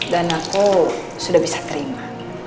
dan aku sudah bisa terima